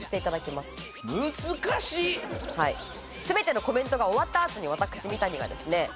全てのコメントが終わったあとに私三谷がですね